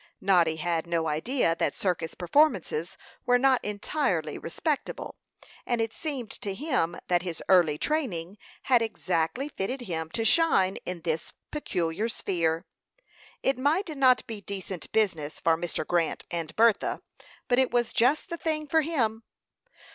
Noddy had no idea that circus performances were not entirely respectable; and it seemed to him that his early training had exactly fitted him to shine in this peculiar sphere. It might not be decent business for Mr. Grant and Bertha, but it was just the thing for him.